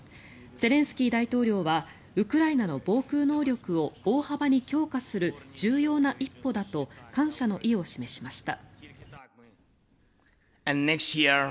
ゼレンスキー大統領はウクライナの防空能力を大幅に強化する重要な一歩だと感謝の意を示しました。